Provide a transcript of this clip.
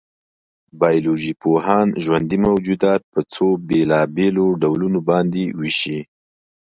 بایولوژيپوهان ژوندي موجودات په څو بېلابېلو ډولونو باندې وېشي.